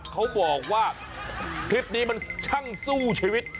เขาบอกว่าคลิปนี้มันช่างสู้ชีวิต